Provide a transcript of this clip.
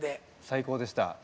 最高でした。